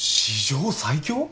史上最強？